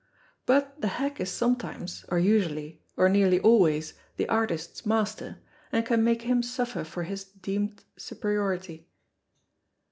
But the hack is sometimes, or usually, or nearly always the artist's master, and can make him suffer for his dem'd superiority.